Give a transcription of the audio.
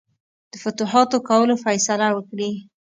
د فتوحاتو کولو فیصله وکړي.